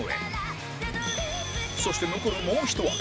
そして残るもうひと枠